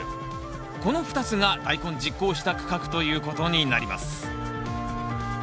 この２つが大根十耕した区画ということになります。